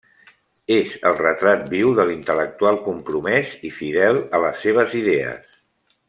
És el retrat viu de l'intel·lectual compromès i fidel a les seves idees.